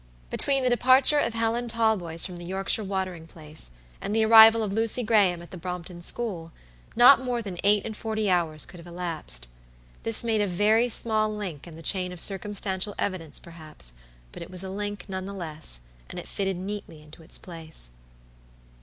Between the departure of Helen Talboys from the Yorkshire watering place and the arrival of Lucy Graham at the Brompton school, not more than eight and forty hours could have elapsed. This made a very small link in the chain of circumstantial evidence, perhaps; but it was a link, nevertheless, and it fitted neatly into its place.